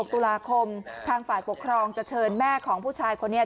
ตุลาคมทางฝ่ายปกครองจะเชิญแม่ของผู้ชายคนนี้